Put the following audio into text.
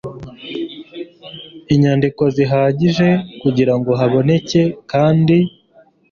inyandiko zihagije kugirango haboneke kandi